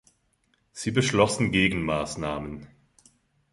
Sie beschlossen Gegenmaßnahmen.